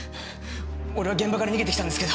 俺は現場から逃げてきたんですけど。